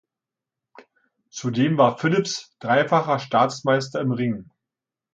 Zudem war Phillips dreifacher Staatsmeister im Ringen.